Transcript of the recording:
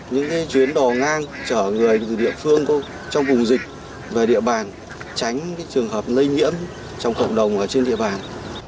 những chuyến đò ngang chở người từ địa phương trong vùng dịch về địa bàn tránh trường hợp lây nhiễm trong cộng đồng ở trên địa bàn